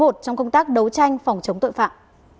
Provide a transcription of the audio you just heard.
trong công tác đấu tranh phòng chống tội phạm